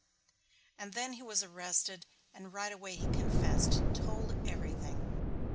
And then he was arrested and right away he confessed told everything.